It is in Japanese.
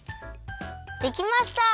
できました！